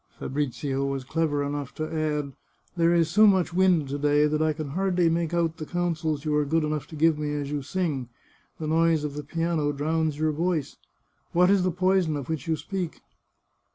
Fa brizio was clever enough to add :" There is so much wind to day that I can hardly make out the counsels you are good enough to give me as you sing; the noise of the piano drowns your voice. What is the poison of which you speak